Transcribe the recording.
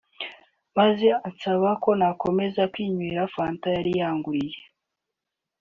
maze ansaba ko nakomeza kwinywera fanta yari yanguriye